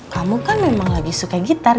kamu kan memang lagi suka gitar